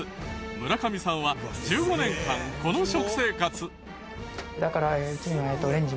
村上さんは１５年間この食生活。